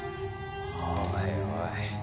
おいおい。